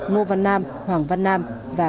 nô văn nam hoàng văn nam và